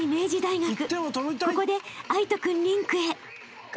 ［ここで藍仁君リンクへ］